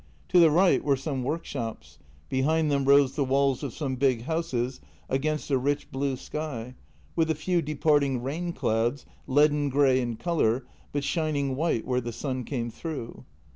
To the right were some workshops; behind them rose the walls of some big houses against a rich blue sky, with a few departing rain clouds, leaden grey in colour, but shining white where the sun came through.